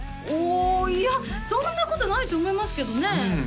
おいやそんなことないと思いますけどねえ